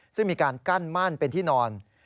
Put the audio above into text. ซึ่งมีการกั้นมั่นเป็นที่นอน